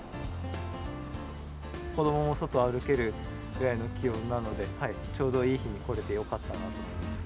子どもも外歩けるくらいの気温なので、ちょうどいい日に来れてよかったなと思います。